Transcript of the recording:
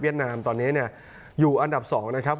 เวียดนามตอนนี้อยู่อันดับ๒นะครับ